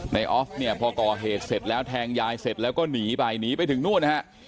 ในออฟพูดก่อเหตุเสร็จแล้วแทงยายเสร็จแล้วก็หนีไปหนีไปถึงนู่น